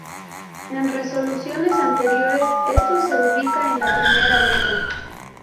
En resoluciones anteriores, esto se ubicaba en la primera letra.